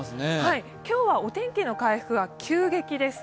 今日はお天気の回復が急激です。